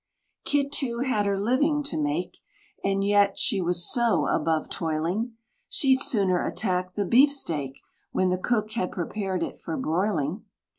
Kit, too, had her living to make, And yet, she was so above toiling, She'd sooner attack the beef steak, When the cook had prepared it for broiling.